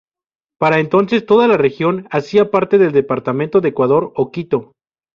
Para entonces toda la región hacía parte del departamento de Ecuador o Quito.